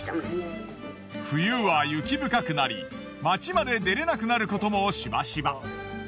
冬は雪深くなり町まで出られなくなることもしばしば。